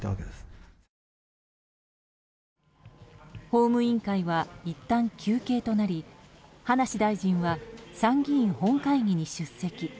法務委員会はいったん休憩となり葉梨大臣は参議院本会議に出席。